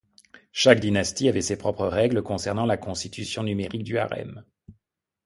Chaque dynastie avait ses propres règles concernant la constitution numérique du harem.